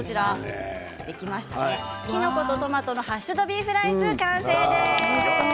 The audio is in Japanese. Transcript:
きのことトマトのハッシュドビーフライス完成です。